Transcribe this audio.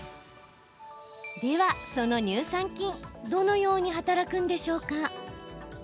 では、その乳酸菌どのように働くんでしょうか？